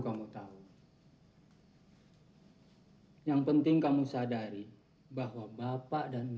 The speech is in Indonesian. saya mengingat indonesia di masa lalu